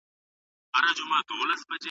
د بودیجې تصویب ولي ځنډیږي؟